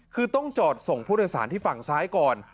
คือต้องจอดส่งผู้โดยสารที่ฝั่งซ้ายก่อน